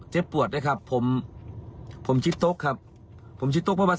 เจ็บปวดด้วยครับผมผมจิ๊บตกครับผมจิ๊บตกเพราะว่า